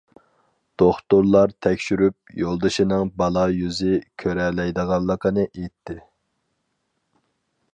دوختۇرلار تەكشۈرۈپ، يولدىشىنىڭ بالا يۈزى كۆرەلمەيدىغانلىقىنى ئېيتتى.